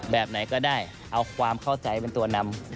แบบไหนก็ได้เอาความเข้าใจเป็นตัวนำ